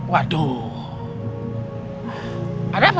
waduh ada apa ya